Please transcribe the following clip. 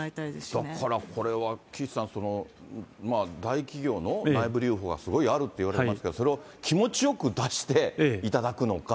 だからこれは、岸さん、大企業の内部留保がすごいあるっていわれてますけど、それを気持ちよく出していただくのか。